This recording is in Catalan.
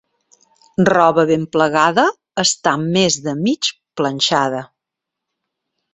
Roba ben plegada, està més de mig planxada.